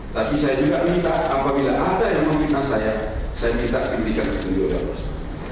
tapi saya juga minta apabila ada yang memfitnah saya saya minta diberikan kebenaran oleh allah swt